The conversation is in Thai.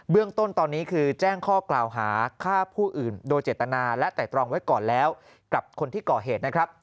เรื่องต้นตอนนี้คือแจ้งข้อกล่าวหาฆ่าผู้อื่นโดยเจตนาและไต่ตรองไว้ก่อนแล้วกับคนที่ก่อเหตุนะครับ